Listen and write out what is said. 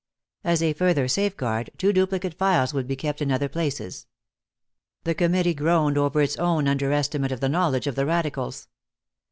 As a further safeguard, two duplicate files would be kept in other places. The Committee groaned over its own underestimate of the knowledge of the radicals.